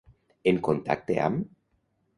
En contacte amb.